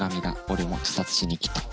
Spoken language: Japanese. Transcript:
俺も自殺しに来た。